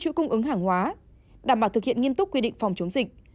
bốn mươi chuỗi cung ứng hàng hóa đảm bảo thực hiện nghiêm túc quy định phòng chống dịch